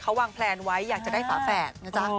เขาวางแพลนไว้อยากจะได้ฝาแฝดนะจ๊ะ